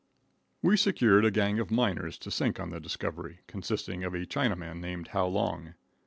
We secured a gang of miners to sink on the discovery, consisting of a Chinaman named How Long.